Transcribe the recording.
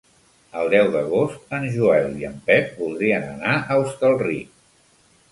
El deu d'agost en Joel i en Pep voldrien anar a Hostalric.